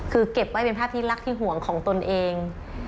คือเก็บไว้เป็นภาพที่รักที่ห่วงของตนเอง